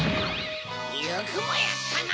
よくもやったな！